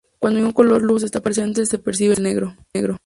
Cuando ningún color luz está presente, se percibe el negro.